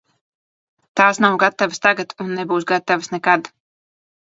Tās nav gatavas tagad un nebūs gatavas nekad.